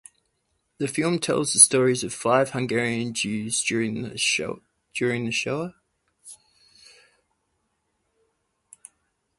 The film tells the stories of five Hungarian Jews during the Shoah.